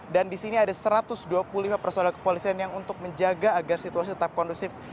dan di sini ada satu ratus dua puluh lima personil kepolisian yang untuk menjaga agar situasi tetap kondusif